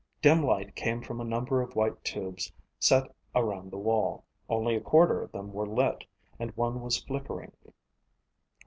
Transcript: Dim light came from a number of white tubes set around the wall. Only a quarter of them were lit, and one was flickering.